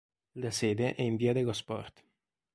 La sede è in via dello Sport.